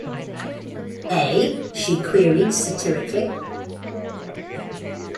“Ay?” she queried satirically.